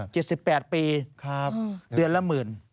๗๘ปีเดือนละหมื่นครับอืมครับ